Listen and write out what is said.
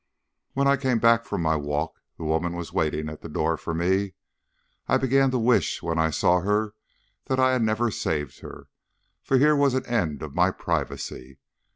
When I came back from my walk the woman was waiting at the door for me. I began to wish when I saw her that I had never saved her, for here was an end of my privacy.